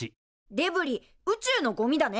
デブリ宇宙のゴミだね。